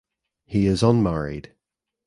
He is unmarried.